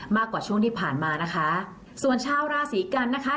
มากกว่าช่วงที่ผ่านมานะคะส่วนชาวราศีกันนะคะ